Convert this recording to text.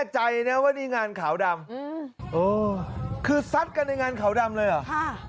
ใจนะว่านี่งานขาวดำคือซัดกันในงานขาวดำเลยเหรอค่ะ